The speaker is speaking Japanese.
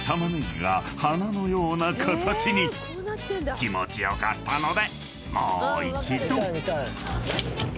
［気持ち良かったので］